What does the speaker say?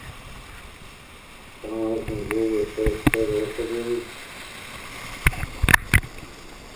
The change to "Orvoloson" was made in later editions.